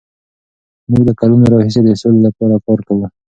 موږ له کلونو راهیسې د سولې لپاره کار کوو.